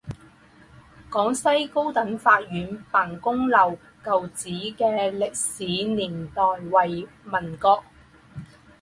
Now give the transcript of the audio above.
广西高等法院办公楼旧址的历史年代为民国。